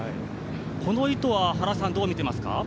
この意図は原さん、どう見てますか？